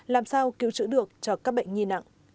làm sao cứu trữ được cho các bệnh nhi nặng